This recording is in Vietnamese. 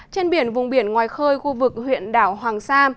trên biển vùng biển ngoài khơi khu vực huyện đảo hoàng sa